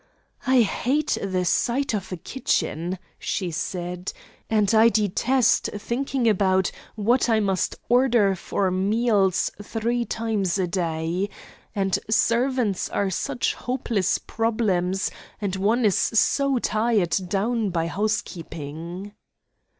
'I hate the sight of a kitchen,' she said, 'and I detest thinking about what I must order for meals three times a day. And servants are such hopeless problems; and one is so tied down by housekeeping.'